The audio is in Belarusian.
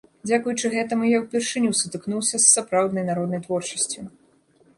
Дзякуючы гэтаму я ўпершыню сутыкнуўся з сапраўднай народнай творчасцю.